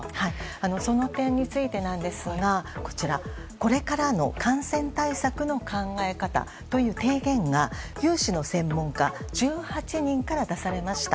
その点についてなんですがこれからの感染対策の考え方という提言が有志の専門家１８人から出されました。